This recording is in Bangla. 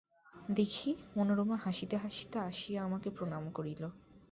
দেখি, মনোরমা হাসিতে হাসিতে আসিয়া আমাকে প্রণাম করিল।